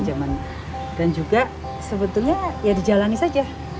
jadi ada manajemen ya dan juga sebetulnya ya dijalani saja